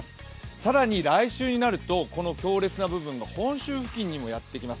更に来週になると、この強烈な部分が本州付近にもやってきます。